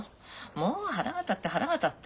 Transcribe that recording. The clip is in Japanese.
もう腹が立って腹が立って。